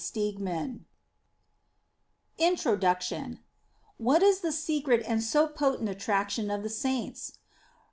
xxxvii xvii INTRODUCTION WHAT is the secret and so potent attraction of the Saints